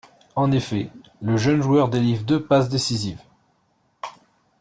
En effet, le jeune joueur délivre deux passes décisives.